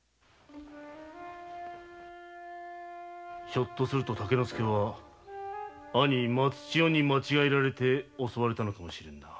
ひょっとすると竹之助は兄の松千代に間違えられ襲われたのかもしれんな。